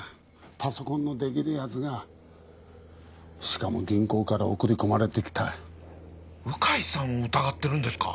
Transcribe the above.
パソコンのできるやつがしかも銀行から送り込まれてきた鵜飼さんを疑ってるんですか？